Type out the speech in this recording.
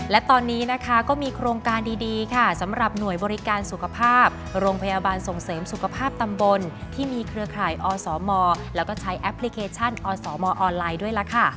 และตอนนี้นะคะก็มีโครงการดีค่ะสำหรับหน่วยบริการสุขภาพโรงพยาบาลส่งเสริมสุขภาพตำบลที่มีเครือข่ายอสมแล้วก็ใช้แอปพลิเคชันอสมออนไลน์ด้วยล่ะค่ะ